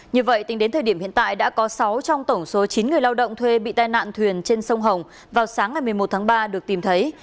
như vậy tính đến thời điểm hiện tại đã có sáu trong tổng số chín người lao động thuê bị tai nạn thuyền trên sông hồng vào sáng ngày một mươi một tháng ba được tìm thấy